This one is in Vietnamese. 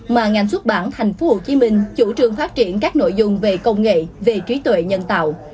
mà ngành xuất bản thành phố hồ chí minh chủ trương phát triển các nội dung về công nghệ về trí tuệ nhân tạo